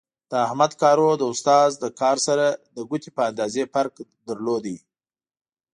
د احمد کارو د استاد له کار سره د ګوتې په اندازې فرق لرلو.